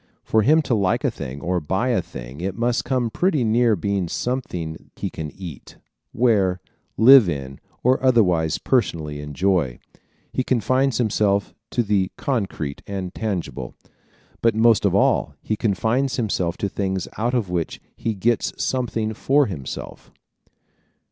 For him to like a thing or buy a thing it must come pretty near being something he can eat, wear, live in or otherwise personally enjoy. He confines himself to the concrete and tangible. But most of all he confines himself to things out of which he gets something for himself.